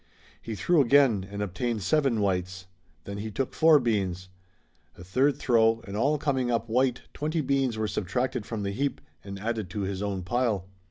He threw again and obtained seven whites. Then he took four beans. A third throw and all coming up white twenty beans were subtracted from the heap and added to his own pile.